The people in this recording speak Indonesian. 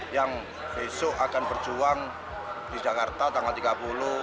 yang besok akan berjuang di jakarta tanggal tiga puluh